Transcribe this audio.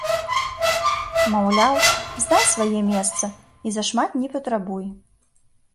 Маўляў, знай сваё месца і зашмат не патрабуй.